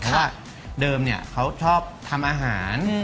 เพราะว่าเดิมเขาชอบทำอาหาร